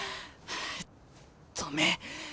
止め。